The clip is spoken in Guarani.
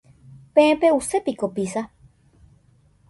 Peẽ pe'usépiko pizza.